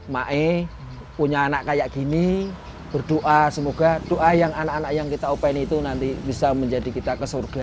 make punya anak kayak gini berdoa semoga doa yang anak anak yang kita open itu nanti bisa menjadi kita ke surga